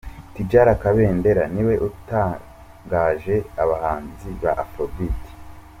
Tidjala Kabendera niwe utangaje abahanzi ba Afrobeat.